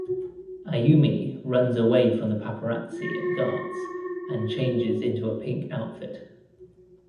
Ayumi runs away from the paparazzi and guards and changes into a pink outfit.